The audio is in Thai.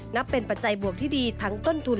นับเป็นปัจจัยบวกที่ดีทั้งต้นทุน